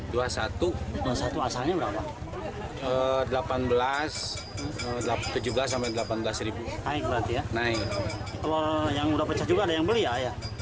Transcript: kalau yang sudah pecah juga ada yang beli ya